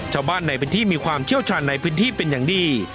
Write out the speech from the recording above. ชาวบ้านในพิธีมีความเชี่ยวชาญในพิธีเป็นอย่างดี